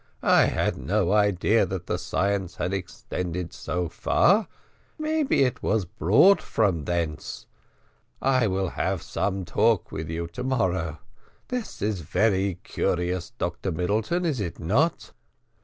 I had no idea that the science had extended so far maybe it was brought from thence. I will have some talk with you to morrow. This is very curious, Dr Middleton, is it not?"